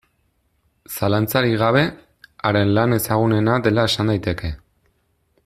Zalantzarik gabe, haren lan ezagunena dela esan daiteke.